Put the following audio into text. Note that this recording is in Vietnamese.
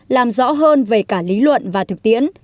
làm rõ hơn về cả lý luận và thực tiễn